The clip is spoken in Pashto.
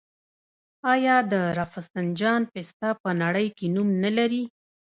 آیا د رفسنجان پسته په نړۍ کې نوم نلري؟